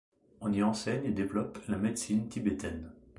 On y enseigne et développe la médecine tibétaine.